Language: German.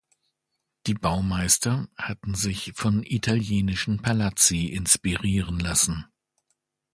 Die Baumeister hatten sich von italienischen Palazzi inspirieren lassen.